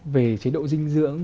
về chế độ dinh dưỡng